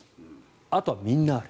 あとは、みんなある。